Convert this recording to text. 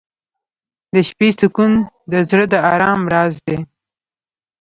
• د شپې سکون د زړه د ارام راز دی.